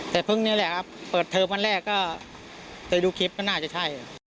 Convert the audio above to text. แต่เพิ่งนี้แหละครับเปิดเทอมวันแรกก็เคยดูคลิปก็น่าจะใช่